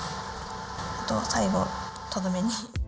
あとは最後とどめに。